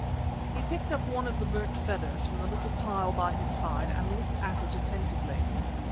He picked up one of the burnt feathers from the little pile by his side and looked at it attentively.